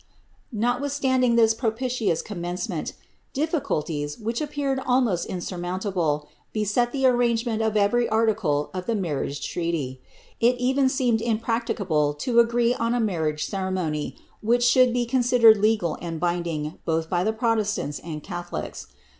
' Notwithstanding this propitious commencement, difficulties, which apjieared almost insurmountable, beset the arrangement of every article 'ftlie marriage treaty. It even seemed impracticable to agree on a mar nage ceremony which should be considered legal and binding, both by :iie protestants and catholics.